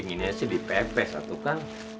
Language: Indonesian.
pinginnya sih dipepes satu kang